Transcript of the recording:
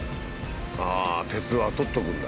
鉄は取っとくんだ。